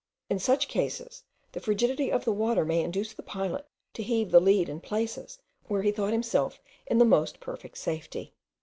In such cases, the frigidity of the water may induce the pilot to heave the lead in places where he thought himself in the most perfect safety.